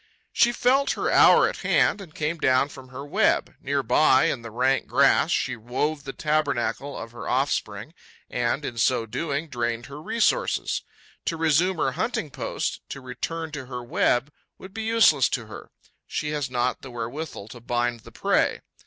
She felt her hour at hand and came down from her web. Near by, in the rank grass, she wove the tabernacle of her offspring and, in so doing, drained her resources. To resume her hunting post, to return to her web would be useless to her: she has not the wherewithal to bind the prey.